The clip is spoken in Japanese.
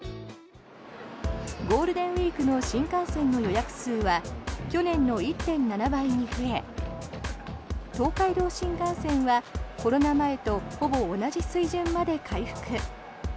ゴールデンウィークの新幹線の予約数は去年の１．７倍に増え東海道新幹線はコロナ前とほぼ同じ水準まで回復。